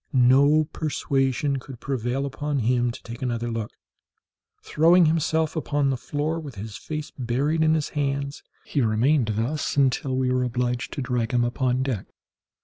No persuasion could prevail upon him to take another look; throwing himself upon the floor, with his face buried in his hands, he remained thus until we were obliged to drag him upon deck.